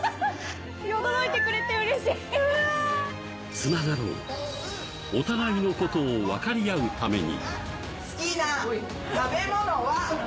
つながろう、お互いのことをわかり合うために。